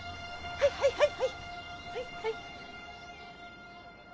はいはいはいはいはい